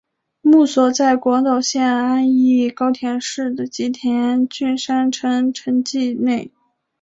墓所在广岛县安艺高田市的吉田郡山城城迹内。